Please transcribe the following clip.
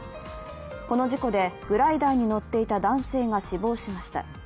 この事故でグライダーに乗っていた男性が死亡しました。